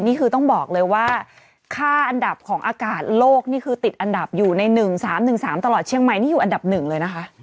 นี่คือต้องบอกเลยว่าค่าอันดับของอากาศโลกนี่คือติดอันดับอยู่ใน๑๓๑๓ตลอดเชียงใหม่นี่อยู่อันดับหนึ่งเลยนะคะ